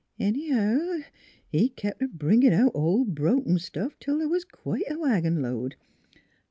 Anyhow, he kep' a bringin' out ol' broken stuff till th' was quite a wagon load.